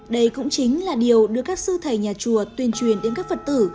đây cũng chính là điều được các sư thầy nhà chùa tuyên truyền đến các phật tử